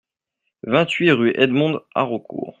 vingt-huit rue Edmond Haraucourt